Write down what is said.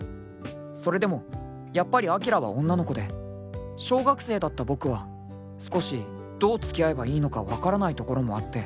［それでもやっぱりアキラは女の子で小学生だった僕は少しどう付き合えばいいのか分からないところもあって］